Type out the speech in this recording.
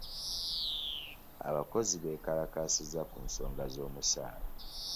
Abakozi beekalakaasizza ku nsonga z'omusaala.